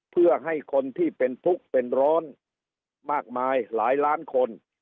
เพื่อให้คนที่เป็นทุกข์เป็นร้อนมากมายหลายล้านคน